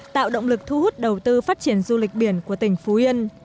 tạo động lực thu hút đầu tư phát triển du lịch biển của tỉnh phú yên